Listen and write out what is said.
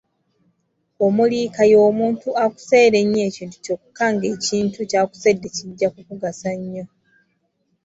Omuliika y'omuntu akuseera ennyo ekintu kyokka ng’ekintu ky’akusedde kijja kukugasa nnyo.